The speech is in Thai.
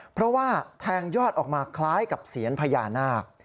เพราะว่าแทงยอดออกมาคล้ายกับเสียญพญานาค